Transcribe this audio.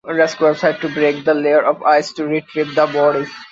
Rescuers had to break the layer of ice to retrieve the bodies.